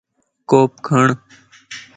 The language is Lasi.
ڪوپ کڙ